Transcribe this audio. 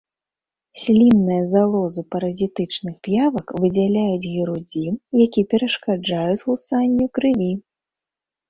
Слінныя залозы паразітычных п'явак выдзяляюць гірудзін, які перашкаджае згусанню крыві.